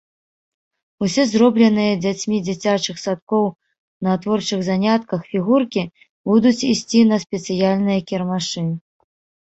Усе зробленыя дзяцьмі дзіцячых садкоў на творчых занятках фігуркі будуць ісці на спецыяльныя кірмашы.